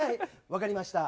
分かりました。